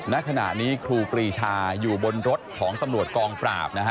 ณขณะนี้ครูปรีชาอยู่บนรถของตำรวจกองปราบนะฮะ